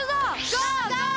ゴー！